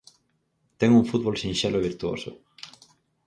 Ten un fútbol sinxelo e virtuoso.